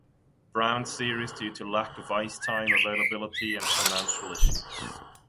Brown series due to lack of ice time availability and financial issues.